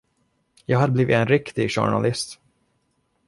Jag hade blivit en riktig journalist.